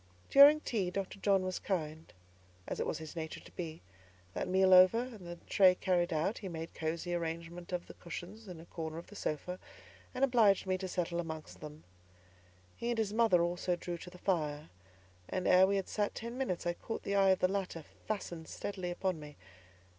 During tea, Dr. John was kind, as it was his nature to be; that meal over, and the tray carried out, he made a cosy arrangement of the cushions in a corner of the sofa, and obliged me to settle amongst them. He and his mother also drew to the fire, and ere we had sat ten minutes, I caught the eye of the latter fastened steadily upon me.